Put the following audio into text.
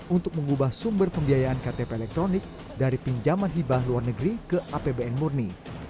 untuk mengubah sumber pembiayaan ktp elektronik dari pinjaman hibah luar negeri ke apbn murni